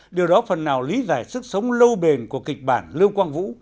điều đó phần nào lý giải sức sống lâu bền của kịch bản lưu quang vũ